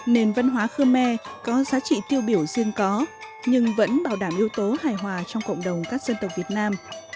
nền văn hóa khơ me có giá trị tiêu biểu riêng có nhưng vẫn bảo đảm yếu tố hài hòa trong cộng đồng các dân tộc việt nam